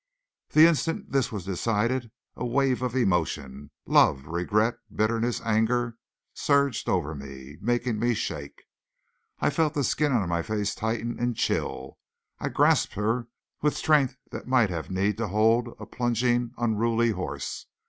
The instant this was decided a wave of emotion love, regret, bitterness, anger surged over me, making me shake. I felt the skin on my face tighten and chill. I grasped her with strength that might have need to hold a plunging, unruly horse.